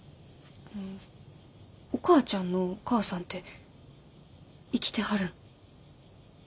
あのお母ちゃんのお母さんて生きてはるん？